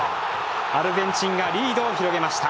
アルゼンチンがリードを広げました。